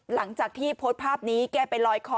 หลังจากที่โพสต์ภาพนี้แกไปลอยคอ